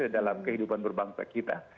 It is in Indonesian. dalam kehidupan berbangsa kita